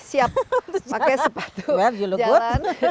siap pakai sepatu jalan